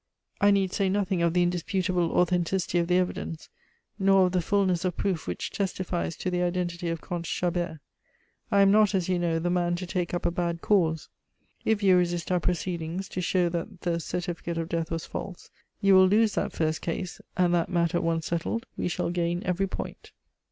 I need say nothing of the indisputable authenticity of the evidence nor of the fulness of proof which testifies to the identity of Comte Chabert. I am not, as you know, the man to take up a bad cause. If you resist our proceedings to show that the certificate of death was false, you will lose that first case, and that matter once settled, we shall gain every point."